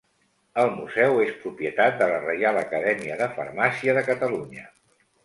El museu és propietat de la Reial Acadèmia de Farmàcia de Catalunya.